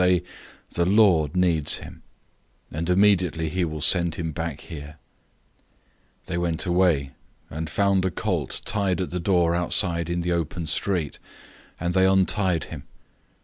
say, 'The Lord needs him;' and immediately he will send him back here." 011:004 They went away, and found a young donkey tied at the door outside in the open street, and they untied him.